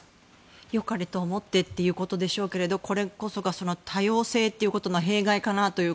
良かれと思ってということでしょうがこれこそが多様性ということの弊害かと。